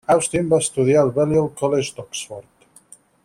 Austin va estudiar al Balliol College d'Oxford.